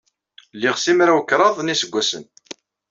Liɣ simraw-kraḍ n yiseggasen.